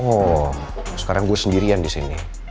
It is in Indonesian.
oh sekarang gue sendirian disini